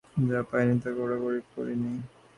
যা পাই নি তা কাড়াকাড়ি করি নি।